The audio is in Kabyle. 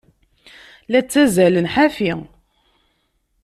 La ttazzalen ḥafi.